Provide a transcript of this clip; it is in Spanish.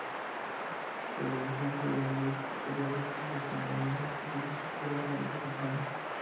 El vencejo de Blyth cría desde los Himalayas exteriores hasta los montes de Assam.